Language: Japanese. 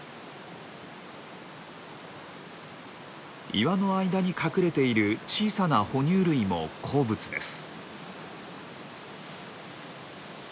岩の間に隠れている小さな哺乳類も好物です。